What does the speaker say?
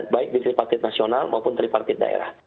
baik di tripartit nasional maupun tripartit daerah